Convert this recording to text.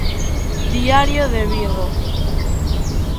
Diario de Vigo.